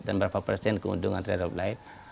dan berapa persen keuntungan trail of life